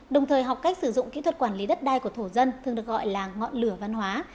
đồng thời học cách sử dụng kỹ thuật quản lý đất đai của thổ dân thường được gọi là ngọn lửa văn hóa